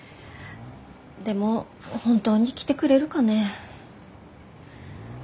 でも本当に来てくれるかねぇ。